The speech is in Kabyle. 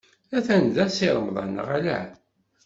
Atan da Si Remḍan, neɣ ala?